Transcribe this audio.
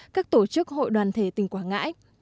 các tổ chức hội đoàn thể tỉnh quảng ngãi